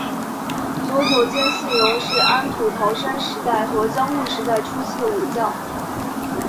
佐久间信荣是安土桃山时代和江户时代初期的武将。